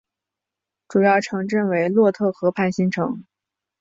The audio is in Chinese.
主要城镇为洛特河畔新城。